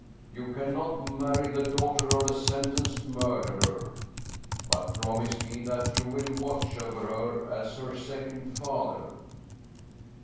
You can not marry the daughter of a sentenced murderer. But promise me that you will watch over her as her second father."